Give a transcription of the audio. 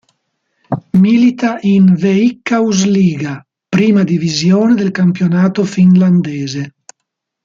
Milita in Veikkausliiga, prima divisione del campionato finlandese.